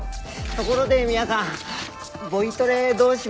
ところでミアさんボイトレどうします。